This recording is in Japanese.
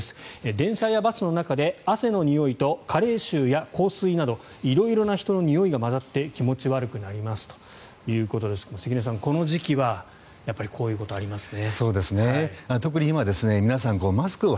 電車やバスの中で汗のにおいと加齢臭や香水など色々な人のにおいが混ざって気持ち悪くなりますということですが関根さん、この時期はこういうことありますね。